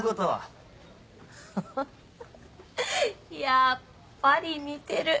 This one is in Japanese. やっぱり似てる。